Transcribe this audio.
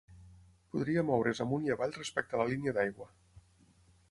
Podria moure's amunt i avall respecte a la línia d'aigua.